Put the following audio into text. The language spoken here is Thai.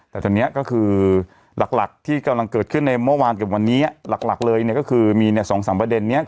แต่ทีนี้ก็คือหลักที่กำลังเกิดขึ้นในเมื่อวานกับวันนี้หลักหลักเลยเนี่ยมีเนี่ย๒๓ประเด็นนี้คือ